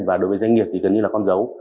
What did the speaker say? và đối với doanh nghiệp thì gần như là con dấu